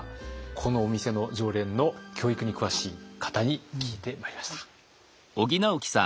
このお店の常連の教育に詳しい方に聞いてまいりました。